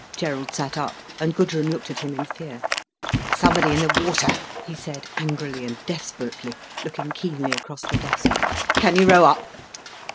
Gerald sat up, and Gudrun looked at him in fear. "Somebody in the water," he said, angrily, and desperately, looking keenly across the dusk. "Can you row up?"